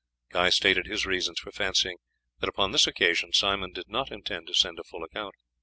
Guy stated his reasons for fancying that upon this occasion Simon did not intend to send a full account.